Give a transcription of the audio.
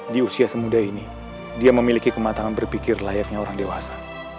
di usia semudah ini dia memiliki kematangan berpikir layaknya orang dewasa